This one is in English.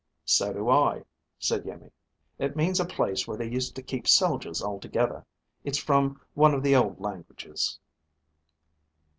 "So do I," said Iimmi. "It means a place where they used to keep soldiers all together. It's from one of the old languages."